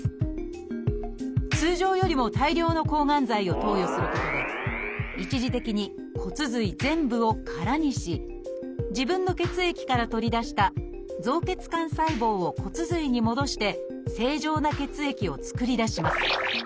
通常よりも大量の抗がん剤を投与することで一時的に骨髄全部を空にし自分の血液から取り出した造血幹細胞を骨髄に戻して正常な血液をつくり出します。